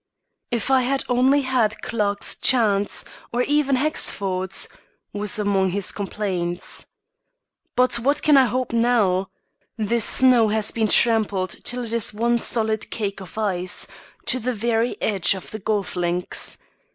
"If I had only had Clarke's chance, or even Hexford's," was among his complaints. "But what can I hope now? The snow has been trampled till it is one solid cake of ice, to the very edge of the golf links.